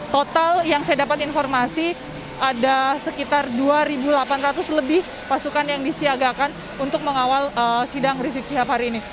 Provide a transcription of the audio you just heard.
total yang saya dapat informasi ada sekitar dua delapan ratus lebih pasukan yang disiagakan untuk mengawal sidang rizik sihab hari ini